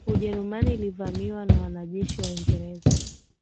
Ujerumani ilivamiwa na wanajeshi wa Uingereza